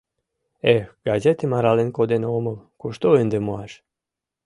Эх, газетым арален коден омыл, кушто ынде муаш?